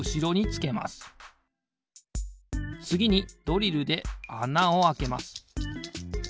つぎにドリルであなをあけます。